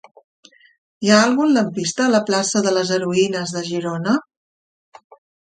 Hi ha algun lampista a la plaça de les Heroïnes de Girona?